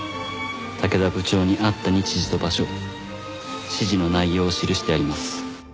「竹田部長に会った日時と場所指示の内容を記してあります」